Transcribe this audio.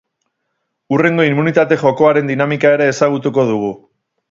Hurrengo immunitate jokoaren dinamika ere ezagutuko dugu.